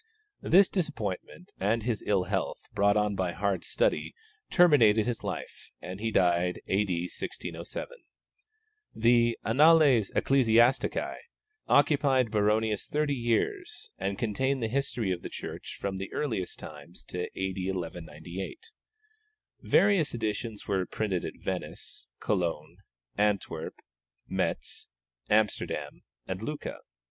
This disappointment and his ill health, brought on by hard study, terminated his life, and he died A.D. 1607. The Annales Ecclesiastici occupied Baronius thirty years, and contain the history of the Church from the earliest times to A.D. 1198. Various editions were printed at Venice, Cologne, Antwerp, Metz, Amsterdam, and Lucca.